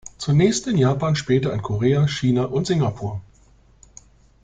Zunächst in Japan, später in Korea, China und Singapur.